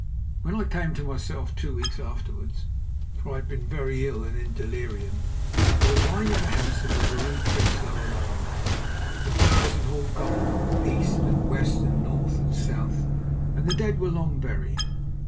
When I came to myself two weeks afterwards, for I had been very ill and in delirium, I was lying in the house of the Vrouw Prinsloo alone. The Boers had all gone, east and west and north and south, and the dead were long buried.